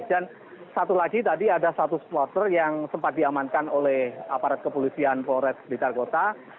dan satu lagi tadi ada satu supporter yang sempat diamankan oleh aparat kepolisian polres blitargota